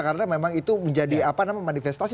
karena memang itu menjadi manifestasi